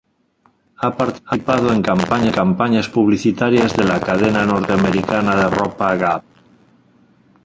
Ha participado en campañas publicitarias de la cadena norteamericana de ropa Gap.